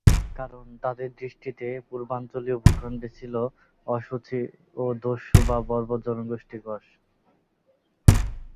কারণ তাদের দৃষ্টিতে পূর্বাঞ্চলীয় ভূখন্ডে ছিল অশুচি ও দস্যু বা বর্বর জনগোষ্ঠীর বাস।